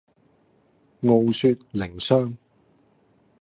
傲雪淩霜